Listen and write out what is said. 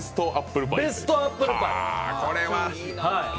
ベストアップルパイ。